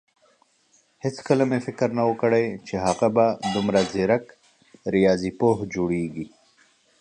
هيڅکله مې فکر نه وو کړی چې هغه به دومره ځيرک رياضيپوه جوړېږي.